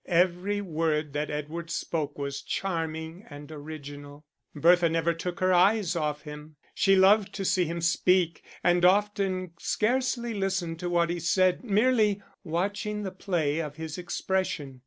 Every word that Edward spoke was charming and original Bertha never took her eyes off him; she loved to see him speak, and often scarcely listened to what he said, merely watching the play of his expression.